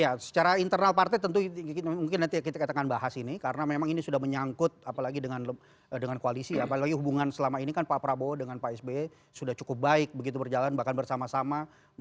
ya secara internal partai tentu mungkin nanti kita akan bahas ini karena memang ini sudah menyangkut apalagi dengan koalisi apalagi hubungan selama ini kan pak prabowo dengan pak sby sudah cukup baik begitu berjalan bahkan bersama sama